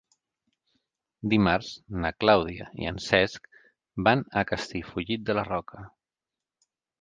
Dimarts na Clàudia i en Cesc van a Castellfollit de la Roca.